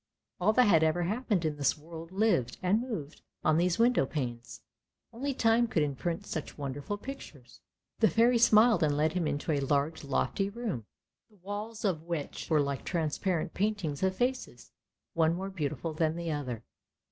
All that had ever happened in this world lived and moved on these window panes ; only Time could imprint such wonderful pictures. The Fairy smiled and led him into a large, lofty room, the walls of which were like transparent paintings of faces, one more beautiful than the other.